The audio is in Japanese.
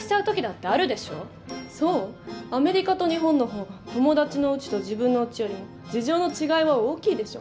アメリカと日本の方が友達のうちと自分のうちよりも事情の違いは大きいでしょ。